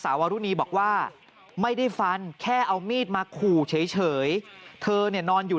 วารุณีบอกว่าไม่ได้ฟันแค่เอามีดมาขู่เฉยเธอเนี่ยนอนอยู่